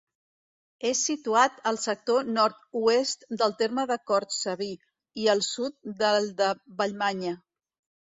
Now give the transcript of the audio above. És situat al sector nord-oest del terme de Cortsaví, i al sud del de Vallmanya.